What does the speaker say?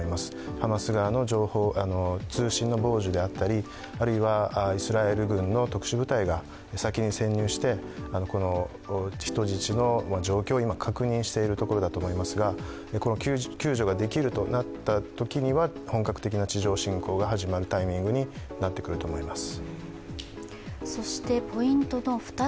ハマス側の通信の傍受であったり、あるいはイスラエル軍の特殊部隊が先に潜入して、人質の状況を今確認しているところだと思いますが救助ができるとなったときには本格的な地上侵攻が始まるタイミングになってくると思います。